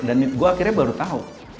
dan gue akhirnya baru tau